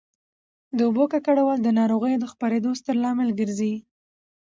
د اوبو ککړول د ناروغیو د خپرېدو ستر لامل ګرځي.